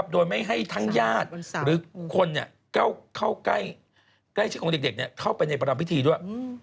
โดยไม่ให้ทั้งญาติหรือคนเข้าใกล้ชิดของเด็กเข้าไปในประรำพิธีด้วย